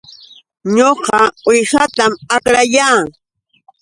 Ñuqa uwihatam akrayaa